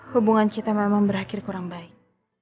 hubungan kita memang berakhir kurang baik